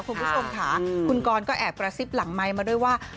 คุณผู้ชมค่ะคุณกรก็แอบกระซิบหลังไมค์มาด้วยว่า